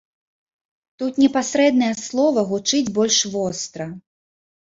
Тут непасрэднае слова гучыць больш востра.